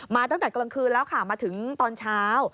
ตั้งแต่กลางคืนแล้วค่ะมาถึงตอนเช้า